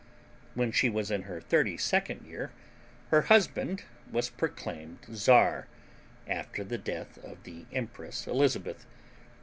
When she was in her thirty second year her husband was proclaimed Czar, after the death of the Empress Elizabeth.